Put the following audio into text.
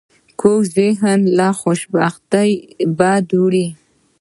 کوږ ذهن له خوشبینۍ بد وړي